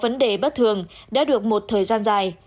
bệnh nhân đã bị bất thường đã được một thời gian dài